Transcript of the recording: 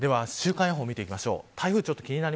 では週間予報を見ていきます。